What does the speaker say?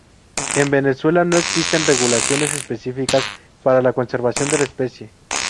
En Venezuela, no existen regulaciones específicas para la conservación de la especie.